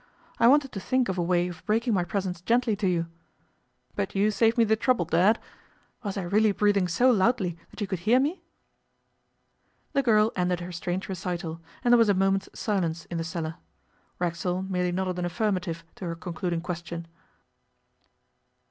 I wanted to think of a way of breaking my presence gently to you. But you saved me the trouble, Dad. Was I really breathing so loudly that you could hear me?' The girl ended her strange recital, and there was a moment's silence in the cellar. Racksole merely nodded an affirmative to her concluding question.